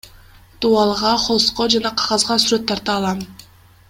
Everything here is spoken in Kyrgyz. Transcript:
Дубалга, холстко жана кагазга сүрөт тарта алам.